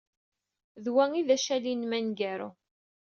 D wa ay d acaɣli-nnem aneggaru.